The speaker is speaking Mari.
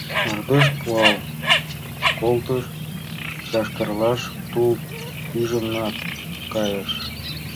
Мардеж пуал колтыш, чашкерлаш тул пижынат кайыш.